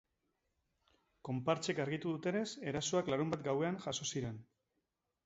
Konpartsek argitu dutenez, erasoak larunbat gauean jazo ziren.